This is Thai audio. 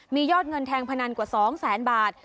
มียอดเงินแทงพนันกว่า๒แสนบาท